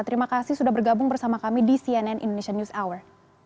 terima kasih sudah bergabung bersama kami di cnn indonesian news hour